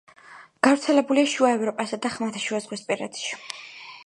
გავრცელებულია შუა ევროპასა და ხმელთაშუაზღვისპირეთში.